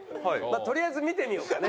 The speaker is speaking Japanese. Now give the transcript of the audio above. とりあえず見てみようかね。